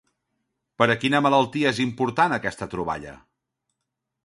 Per a quina malaltia és importat aquesta troballa?